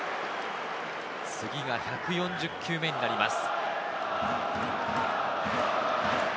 次が１４０球目になります。